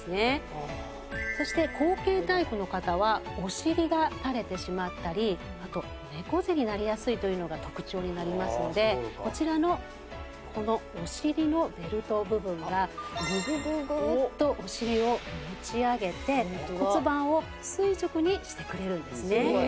そして後傾タイプの方はお尻がたれてしまったりあと猫背になりやすいというのが特徴になりますのでこちらのこのお尻のベルト部分がググググッとお尻を持ち上げて骨盤を垂直にしてくれるんですね。